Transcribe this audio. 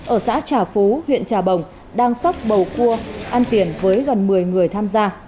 ở xã trà phú huyện trà bồng đang sắc bầu cua ăn tiền với gần một mươi người tham gia